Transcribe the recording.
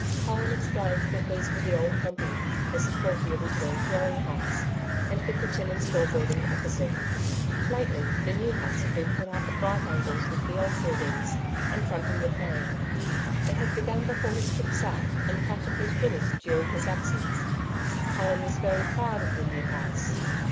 Colin explained that these were the Old Humpey as he called the original dwelling house and the kitchen and store building opposite. Lately, the New House had been put up at right angles with the old buildings, and fronting the plain. It had been begun before his trip south and practically finished during his absence. Colin was very proud of the New House.